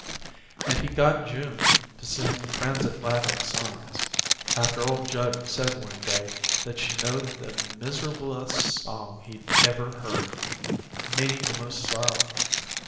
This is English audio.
And he got June to singing transatlantic songs, after old Judd said one day that she knowed the "miserablest song he'd ever heerd" meaning the most sorrowful.